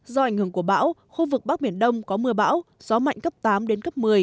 do ảnh hưởng của bão khu vực bắc biển đông có mưa bão gió mạnh cấp tám đến cấp một mươi